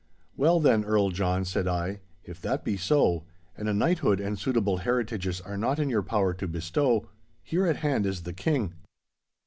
'Well then, Earl John,' said I, 'if that be so, and a knighthood and suitable heritages are not in your power to bestow, here at hand is the King.